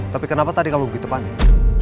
tapi kenapa tadi kamu begitu panik